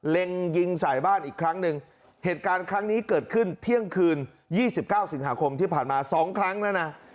เล็งยิงใส่บ้านอีกครั้งหนึ่งเหตุการณ์ครั้งนี้เกิดขึ้นเที่ยงคืน๒๙สิงหาคมที่ผ่านมาสองครั้งแล้วนะ